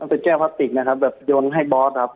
เป็นแก้วพลาสติกนะครับแบบโยนให้บอสครับ